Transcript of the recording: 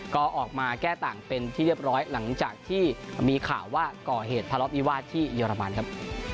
ก็ออกมาแก้ต่างเป็นที่เรียบร้อยหลังจากที่มีข่าวว่าก่อเหตุทะเลาะวิวาสที่เยอรมันครับ